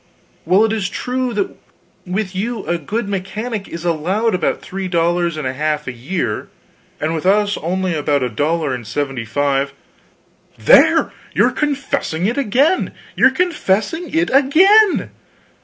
While it is true that with you a good mechanic is allowed about three dollars and a half a year, and with us only about a dollar and seventy five " "There ye're confessing it again, ye're confessing it again!"